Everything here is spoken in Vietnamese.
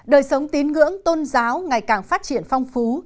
đời sống tín ngưỡng tôn giáo ngày càng phát triển phong phú